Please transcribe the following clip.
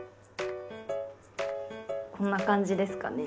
こんな感じですかね？